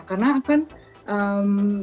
karena kan em